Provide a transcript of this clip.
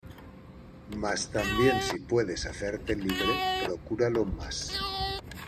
mas también si puedes hacerte libre, procúralo más.